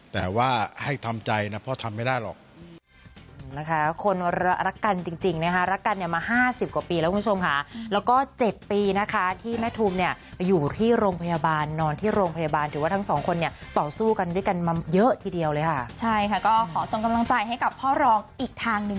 แต่ว่าให้ทำใจนะพ่อทำไม่ได้หรอก